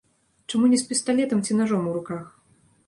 Чаму не з пісталетам ці нажом у руках?